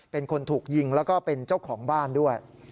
เป็นคนถูกยิงแล้วก็เป็นเจ้าของบ้านด้วย